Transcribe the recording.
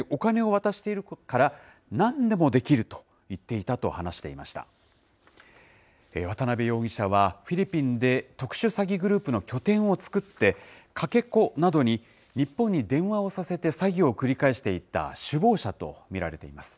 渡邉容疑者は、フィリピンで特殊詐欺グループの拠点を作って、かけ子などに日本に電話をさせて詐欺を繰り返していた首謀者と見られています。